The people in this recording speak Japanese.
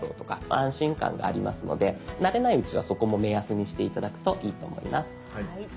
安心感がありますので慣れないうちはそこも目安にして頂くといいと思います。